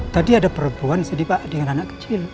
tadi ada perempuan sedih pak dengan anak kecil